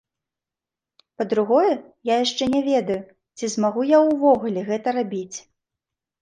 Па-другое, я яшчэ не ведаю, ці змагу я ўвогуле гэта рабіць.